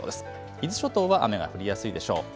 伊豆諸島は雨が降りやすいでしょう。